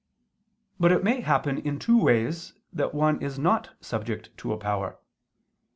But it may happen in two ways that one is not subject to a power.